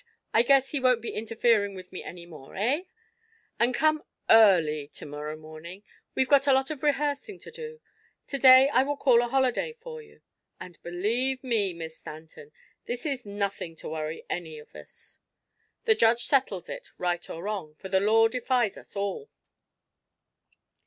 I guess he won't be interfering with me any more, eh? And come early to morrow morning. We've got a lot of rehearsing to do. To day I will call a holiday for you. And, believe me, Miss Stanton, this is nothing to worry any of us. The judge settles it, right or wrong, for the law defies us all."